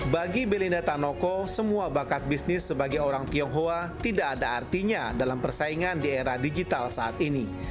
bagi belinda tanoko semua bakat bisnis sebagai orang tionghoa tidak ada artinya dalam persaingan di era digital saat ini